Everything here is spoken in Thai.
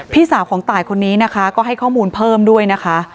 พี่สาวของตายคนนี้นะคะก็ให้ข้อมูลเพิ่มด้วยนะคะ